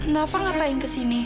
nafa ngapain kesini